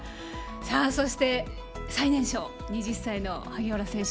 そして、最年少２０歳の萩原選手。